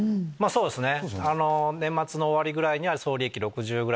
そうですね。